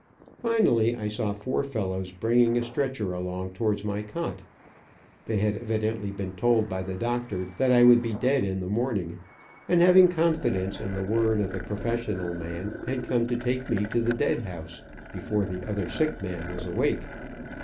Finally, I saw four fellows bringing a stretcher along towards my cot. They had evidently been told by the doctor that I would be dead in the morning, and having confidence in the word of the professional man, had come to take me to the dead house, before the other sick man was awake.